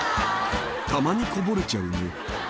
たまにこぼれちゃうね」